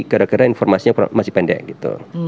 gara gara informasinya masih pendek gitu